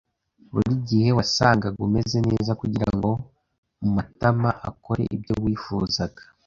Buri gihe wasangaga umeze neza kugirango Matama akore ibyo wifuzaga.